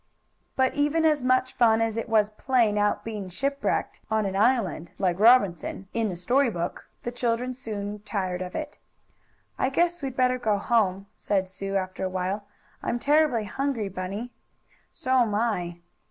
But even as much fun as it was playing at being shipwrecked on an island, like Robinson, in the story book, the children soon tired of it. "I guess we'd better go home," said Sue after awhile. "I'm terribly hungry, Bunny." "So'm I."